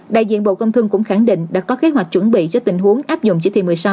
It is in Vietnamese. đại diện bộ công thương cũng khẳng định đã có kế hoạch chuẩn bị cho tình huống áp dụng chỉ thị một mươi sáu